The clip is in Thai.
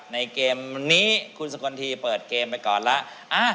ในเกมนี้คุณสกนทีเปิดเกมไปก่อนล่ะ